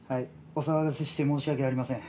お騒がせして申し訳ありません。